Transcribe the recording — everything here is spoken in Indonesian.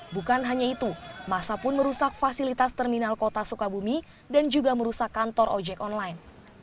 bukan hanya itu masa pun merusak fasilitas terminal kota sukabumi dan juga merusak kantor ojek online